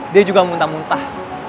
dia juga muntah muntah